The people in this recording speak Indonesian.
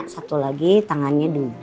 lima satu lagi tangannya dua